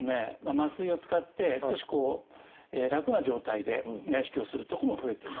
麻酔を使って少し楽な状態で内視鏡をする所も増えていますので。